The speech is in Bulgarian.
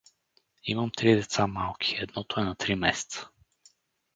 Имам три деца малки, едното е на три месеца!